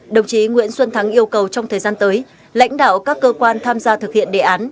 đồng chí nguyễn xuân thắng yêu cầu trong thời gian tới lãnh đạo các cơ quan tham gia thực hiện đề án